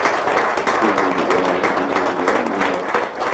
Igenwan, d igenwan n Umeɣlal.